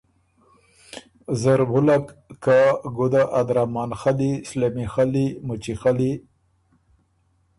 زر وُلّک که ګُدۀ ا درامان خلّی، سلېمی خلی، مُچی خلی،